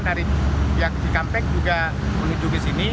dari pihak cikampek juga menuju ke sini